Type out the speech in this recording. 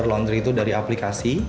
laundry itu dari aplikasi